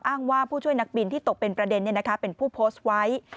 อ้างว่าผู้ช่วยนักบินที่ตกเป็นประเด็นเป็นผู้โพสต์ไว้